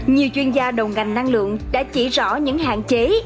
nhiều chuyên gia đầu ngành năng lượng đã chỉ rõ những hạn chế